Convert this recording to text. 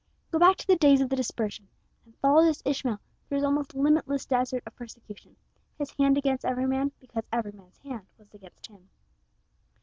Go back to the days of the dispersion, and follow this Ishmael through his almost limitless desert of persecution his hand against every man because every man's hand was against him.